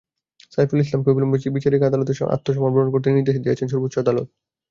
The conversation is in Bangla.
সাইফুল ইসলামকে অবিলম্বে বিচারিক আদালতে আত্মসমর্পণ করতে নির্দেশ দিয়েছেন সর্বোচ্চ আদালত।